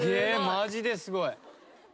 マジですごい。